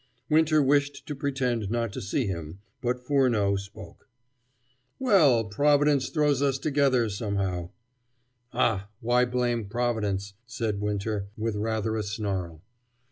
Winter wished to pretend not to see him, but Furneaux spoke. "Well, Providence throws us together somehow!" "Ah! Why blame Providence?" said Winter, with rather a snarl.